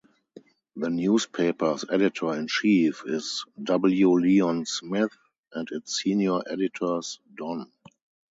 The newspaper's editor-in-chief is W. Leon Smith, and its senior editors Don.